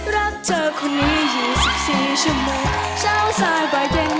รักเธอคนนี้อยู่สิบสี่ชั่วโมง